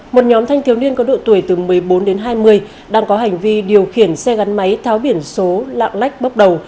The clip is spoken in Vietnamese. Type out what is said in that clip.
một nhóm thanh thiếu niên có độ tuổi từ một mươi bốn đến hai mươi đang có hành vi điều khiển xe gắn máy tháo biển số lạng lách bốc đầu